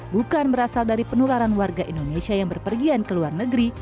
bukan berasal dari penularan warga indonesia yang berpergian ke luar negeri